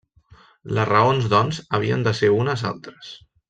Les raons, doncs, havien de ser unes altres.